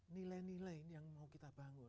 nilai nilai yang mau kita bangun